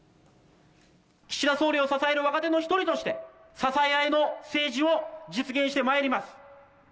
岸田総理を支える若手の一人として、支え合いの政治を実現してまいります。